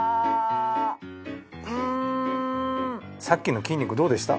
さっきの筋肉どうでした？